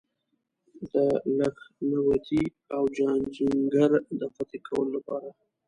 د لکهنوتي او جاجینګر د فتح کولو لپاره.